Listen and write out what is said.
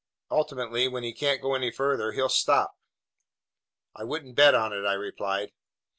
"Ultimately, when he can't go any farther, he'll stop." "I wouldn't bet on it!" I replied.